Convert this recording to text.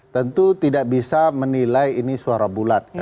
tentu tidak bisa menilai ini suara bulat